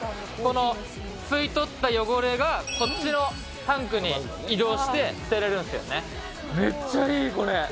この吸い取った汚れがこっちのタンクに移動して捨てれるんですよね。